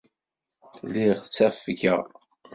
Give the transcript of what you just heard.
Lliɣ ttafgeɣ.